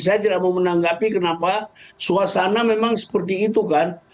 saya tidak mau menanggapi kenapa suasana memang seperti itu kan